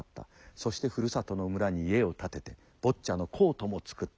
そしてふるさとの村に家を建ててボッチャのコートも作った。